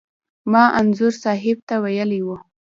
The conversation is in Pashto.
ما انځور صاحب ته ویلي و.